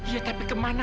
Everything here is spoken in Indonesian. iya tapi kemana